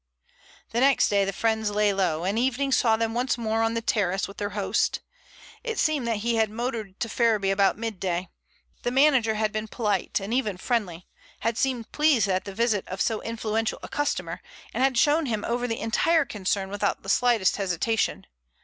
The next day the friends "lay low," and evening saw them once more on the terrace with their host. It seemed that he had motored to Ferriby about midday. The manager had been polite and even friendly, had seemed pleased at the visit of so influential a customer, and had shown him over the entire concern without the slightest hesitation.